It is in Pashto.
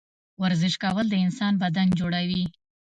ورزش کول د انسان بدن جوړوي